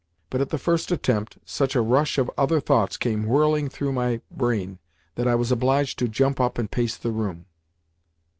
But at the first attempt such a rush of other thoughts came whirling though my brain that I was obliged to jump up and pace the room.